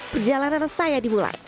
perjalanan saya dimulai